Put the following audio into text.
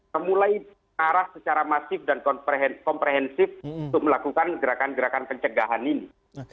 memulai arah secara masif dan komprehensif untuk melakukan gerakan gerakan pencegahan ini